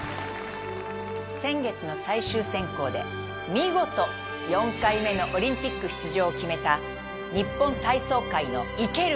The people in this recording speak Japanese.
先月の最終選考で見事４回目のオリンピック出場を決めた日本体操界の生ける